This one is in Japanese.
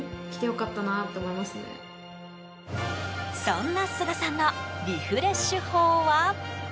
そんな須賀さんのリフレッシュ法は。